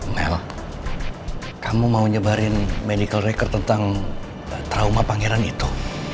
mel kamu mau nyebarin medical record tentang trauma pangeran itu